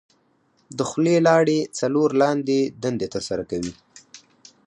د خولې لاړې څلور لاندې دندې تر سره کوي.